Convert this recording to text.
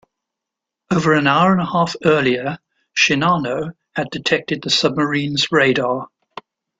Over an hour and a half earlier, "Shinano" had detected the submarine's radar.